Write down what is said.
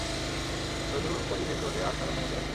শুধু ওরই ভেতরে আসার অনুমতি আছে।